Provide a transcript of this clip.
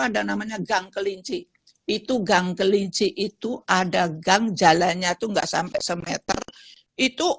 ada namanya gang kelinci itu gang kelinci itu ada gang jalannya itu enggak sampai semeter itu